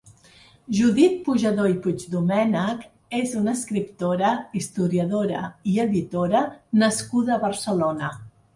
Judit Pujadó i Puigdomènech és una escriptora, historiadora i editora nascuda a Barcelona.